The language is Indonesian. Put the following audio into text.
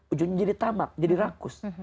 ujungnya jadi tamak jadi rangkus